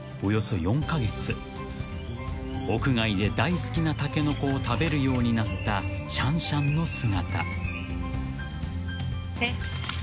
［屋外で大好きなタケノコを食べるようになったシャンシャンの姿］